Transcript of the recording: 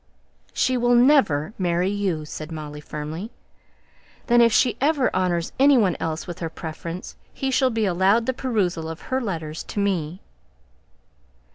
"She will never marry you," said Molly, firmly. "Then if she ever honours any one else with her preference, he shall be allowed the perusal of her letters to me."